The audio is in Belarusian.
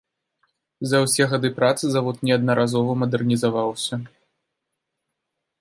За ўсе гады працы завод неаднаразова мадэрнізаваўся.